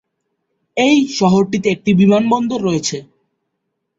এই শহরটিতে একটি বিমানবন্দর রয়েছে।